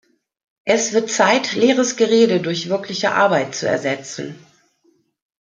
Es wird Zeit, leeres Gerede durch wirkliche Arbeit zu ersetzen.